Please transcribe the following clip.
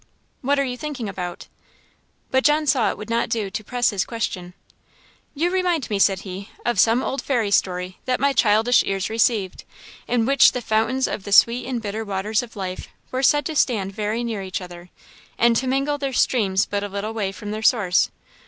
"What are you thinking about?" But John saw it would not do to press his question. "You remind me," said he, "of some old fairy story that my childish ears received, in which the fountains of the sweet and bitter waters of life were said to stand very near each other, and to mingle their streams but a little way from their source.